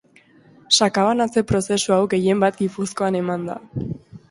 Sakabanatze prozesu hau gehien bat Gipuzkoan eman da.